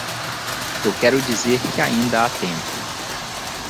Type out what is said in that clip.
Eu quero dizer que ainda há tempo.